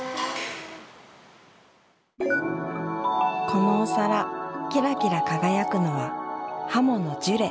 このお皿キラキラ輝くのは鱧のジュレ！